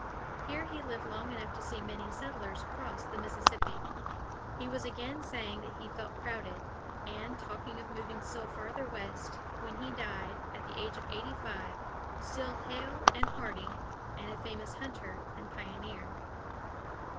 Here he lived long enough to see many settlers cross the Mississippi. He was again saying that he felt crowded, and talking of moving still farther west, when he died, at the age of eighty five, still hale and hearty, and a famous hunter and pioneer.